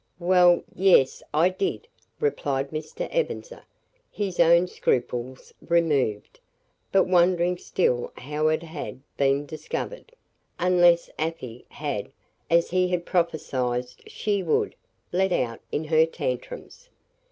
"Well yes, I did," replied Mr. Ebenezer, his own scruples removed, but wondering still how it had been discovered, unless Afy had as he had prophesied she would let out in her "tantrums."